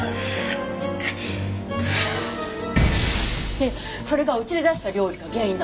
でそれがうちで出した料理が原因だって。